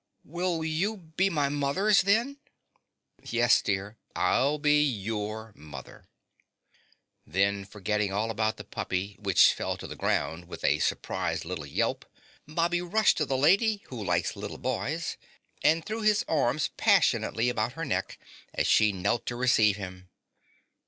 "Will you be my mothers, then?" "Yes, dear, I'll be your mother." Then, forgetting all about the puppy, which fell to the ground with a surprised little yelp, Bobby rushed to the Lady Who Likes Little Boys and threw his arms passionately about her neck as she knelt to receive him.